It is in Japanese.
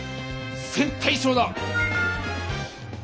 「線対称」だ！